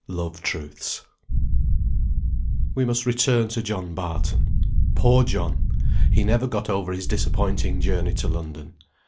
"LOVE TRUTHS." We must return to John Barton. Poor John! He never got over his disappointing journey to London.